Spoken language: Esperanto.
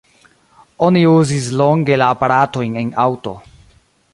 Oni uzis longe la aparatojn en aŭto.